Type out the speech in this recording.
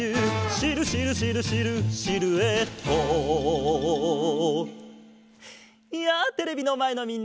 「シルシルシルシルシルエット」やあテレビのまえのみんな！